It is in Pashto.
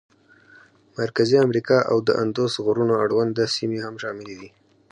مرکزي امریکا او د اندوس غرونو اړونده سیمې هم شاملې دي.